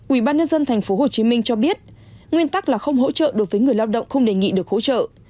ubnd tp hcm cho biết nguyên tắc là không hỗ trợ đối với người lao động không đề nghị được hỗ trợ